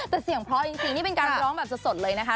แต่เสียงเพราะจริงนี่เป็นการร้องแบบสดเลยนะคะ